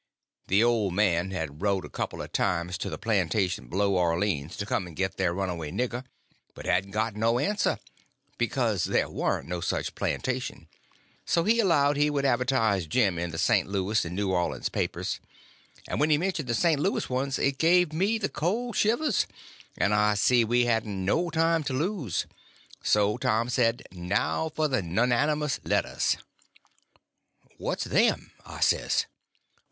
The old man had wrote a couple of times to the plantation below Orleans to come and get their runaway nigger, but hadn't got no answer, because there warn't no such plantation; so he allowed he would advertise Jim in the St. Louis and New Orleans papers; and when he mentioned the St. Louis ones it give me the cold shivers, and I see we hadn't no time to lose. So Tom said, now for the nonnamous letters. "What's them?" I says.